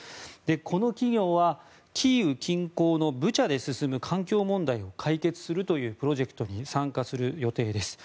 この企業はキーウ近郊のブチャで進む環境問題を解決するというプロジェクトに参加する予定です。